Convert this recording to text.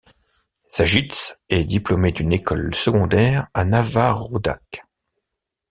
Sajytch est diplômé d'une école secondaire à Navahroudak.